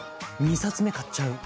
２冊目買っちゃう。